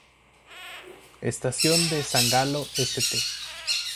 Estación de San Galo St.